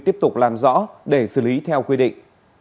tiếp tục làm rõ để xử lý theo quy định